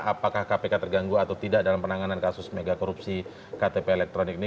apakah kpk terganggu atau tidak dalam penanganan kasus megakorupsi ktp elektronik ini